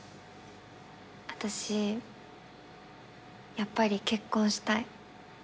私やっぱり結婚したい。